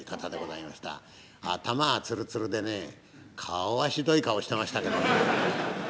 頭はツルツルでね顔はひどい顔をしてましたけどね。